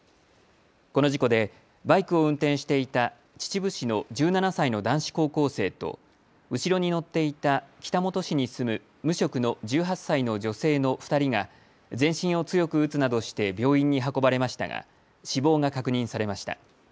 この事故でバイクを運転していた秩父市の１７歳の男子高校生と後ろに乗っていた北本市に住む無職の１８歳の女性の２人が全身を強く打つなどして病院に運ばれましたが死亡が確認されました。